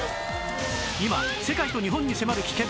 今世界と日本に迫る危険！